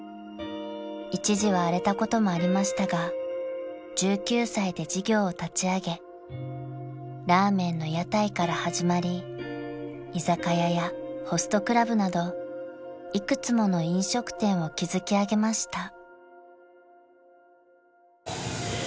［一時は荒れたこともありましたが１９歳で事業を立ち上げラーメンの屋台から始まり居酒屋やホストクラブなどいくつもの飲食店を築き上げました］